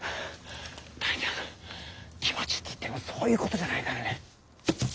大体気持ちっていってもそういうことじゃないからね。